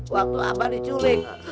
waktu abah diculik